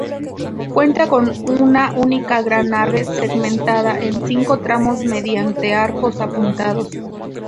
Cuenta con una única gran nave segmentada en cinco tramos mediante arcos apuntados.